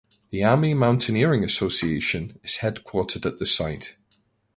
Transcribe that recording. The Army Mountaineering Association is headquartered at the site.